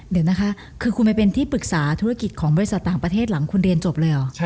เดี๋ยวนะคะคือคุณไปเป็นที่ปรึกษาธุรกิจของบริษัทต่างประเทศหลังคุณเรียนจบเลยเหรอ